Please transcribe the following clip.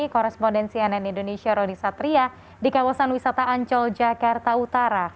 korespondensi nn indonesia roni satria di kawasan wisata ancol jakarta utara